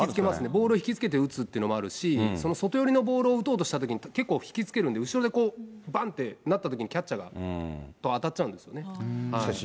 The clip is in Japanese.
ボール引き付けて打つっていうのもあるし、外寄りのボール打つときに結構引き付けるんで、後ろでこう、ばんってなったときに、キャッチャーと当たっしかし